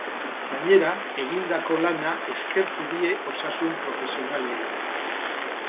Gainera, egindako lana eskertu die osasun-profesionalei.